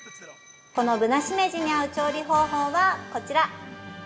このぶなしめじに合う料理方法は、こちら！